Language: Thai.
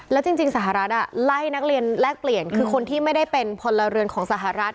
แล้วจริงสหรัฐไล่นักเรียนแลกเปลี่ยนคือคนที่ไม่ได้เป็นพลเรือนของสหรัฐ